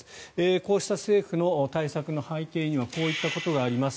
こうした政府の対策の背景にはこういったことがあります。